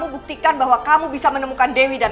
buktikan bahwa kamu bisa menemukan dewi dan abi